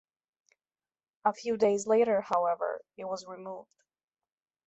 A few days later, however, it was removed.